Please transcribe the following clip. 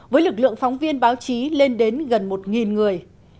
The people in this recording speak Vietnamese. với lực lượng phóng viên báo chí lên đến gần một người